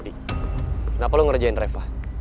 kenapa lo ngerjain defa